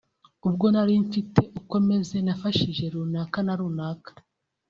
ubwo nari mfite uko meze nafashije runaka na runaka